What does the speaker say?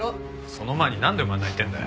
その前になんでお前は泣いてんだよ。